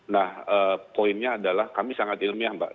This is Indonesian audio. nah poinnya adalah kami sangat ilmiah mbak